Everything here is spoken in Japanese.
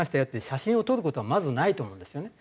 写真を撮る事はまずないと思うんですよね。